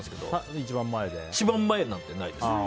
一番前なんてないです。